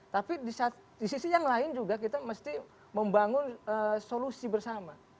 tapi di sisi yang lain juga kita mesti membangun solusi bersama